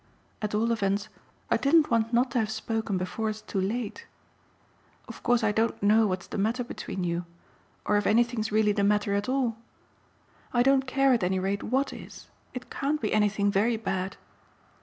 At all events I didn't want not to have spoken before it's too late. Of course I don't know what's the matter between you, or if anything's really the matter at all. I don't care at any rate WHAT is it can't be anything very bad.